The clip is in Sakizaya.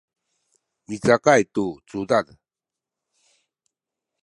micakay tu cudad